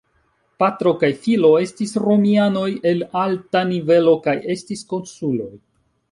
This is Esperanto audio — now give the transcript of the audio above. Patro kaj filo estis romianoj el alta nivelo kaj estis konsuloj.